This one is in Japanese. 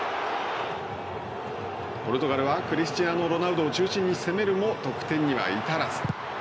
ポルトガルはクリスチアーノ・ロナウドを中心に攻めるも得点には至らず。